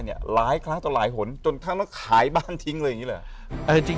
หลายคล้าตัวหลายหนจนทั้งต้องขายบ้านทิ้งอะไรอย่างนี้เหรอ